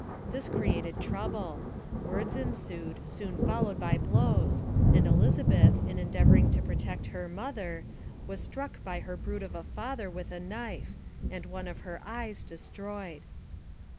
This created trouble; words ensued, soon followed by blows, and Elizabeth, in endeavoring to protect her mother, was struck by her brute of a father with a knife, and one of her eyes destroyed.